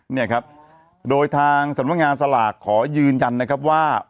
เนี่ยครับโดยทางสำนักงานสลากขอยืนยันนะครับว่า